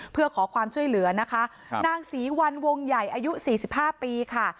เพื่อขอความช่วยเหลือนะคะนางศรีวันวงใหญ่อายุ๔๕ปีค่ะ